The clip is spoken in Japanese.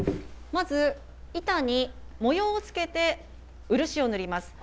まず板に模様をつけて漆を塗ります。